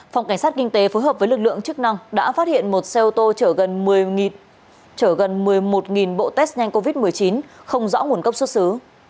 phòng cảnh sát kinh tế phối hợp với lực lượng chức năng đã phát hiện một xe ô tô chở gần một mươi một bộ test nhanh covid một mươi chín không rõ nguồn gốc xuất xứ